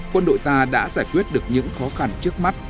quân đội ta đã giải quyết được những khó khăn trước mắt